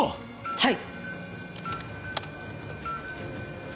はい！